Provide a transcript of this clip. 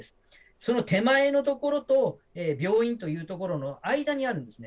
その手前のところと病院というところの間にあるんですね。